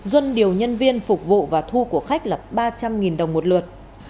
duân điều nhân viên phục vụ và thu của khách là ba trăm linh đồng một lượt